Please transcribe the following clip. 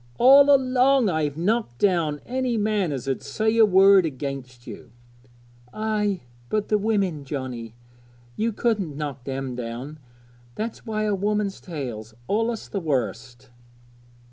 All along I've knocked down any man as 'ud say a word against you.' 'Ay, but the women, Johnnie; ye couldn't knock them down; that's why a woman's tale's allus the worst.'